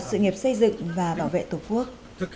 sự nghiệp xây dựng và bảo vệ tổ quốc